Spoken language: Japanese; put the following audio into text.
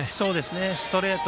ストレート